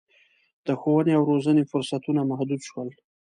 د ښوونې او روزنې فرصتونه محدود شول.